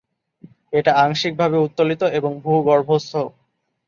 এটা আংশিকভাবে উত্তোলিত এবং ভূগর্ভস্থ।